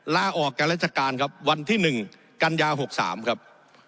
ลาออกกับรัฐการณ์ครับวันที่๑กย๖๓ครับ